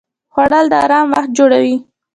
خوړل د آرام وخت جوړوي